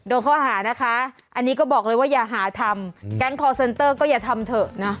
โดนข้อหานะคะอันนี้ก็บอกเลยว่าอย่าหาทำแก๊งคอร์เซนเตอร์ก็อย่าทำเถอะนะ